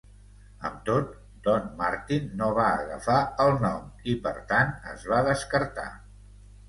Amb tot, Don Martin no va agafar el nom i, per tant, es va descartar.